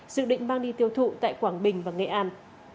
dự định mang đi tiêu thụ tại quảng bình và nghệ an